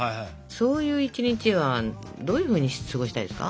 そういう一日はどういうふうに過ごしたいですか？